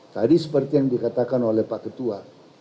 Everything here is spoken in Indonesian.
tadi seperti yang dikatakan oleh pak ketua